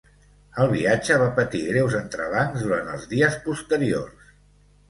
El viatge va patir greus entrebancs durant els dies posteriors.